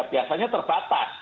itu biasanya terbatas